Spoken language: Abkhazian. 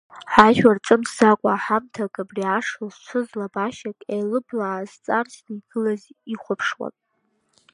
Ажәлар ҿымҭӡакәа, ҳамҭак, абри ашла зшыц лабашьа еилыблаа зҵарсны игылаз ихәаԥшуан.